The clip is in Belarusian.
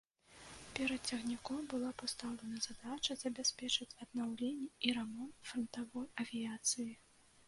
Перад цягніком была пастаўлена задача забяспечыць аднаўленне і рамонт франтавой авіяцыі.